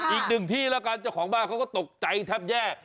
อีกหนึ่งที่แล้วกันเจ้าของบ้านเขาก็ตกใจแทบแย่